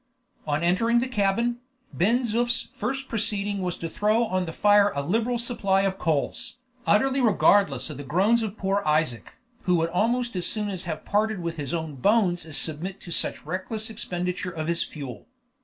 On entering the cabin, Ben Zoof's first proceeding was to throw on the fire a liberal supply of coals, utterly regardless of the groans of poor Isaac, who would almost as soon have parted with his own bones as submit to such reckless expenditure of his fuel.